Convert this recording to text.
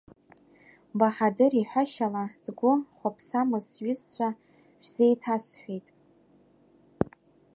Баҳадыр иҳәашьала Згәы хәаԥсамыз сҩызцәа шәзеиҭасҳәеит.